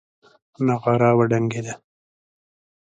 نغاره وډنګېده.